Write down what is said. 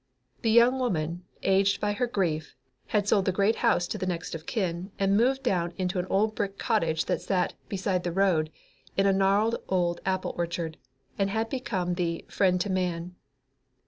The young woman, aged by her grief, had sold the great house to the next of kin and moved down into an old brick cottage that sat "beside the road" in a gnarled old apple orchard, and had become the "friend to man."